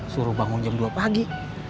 suruh bangun jam dua pagi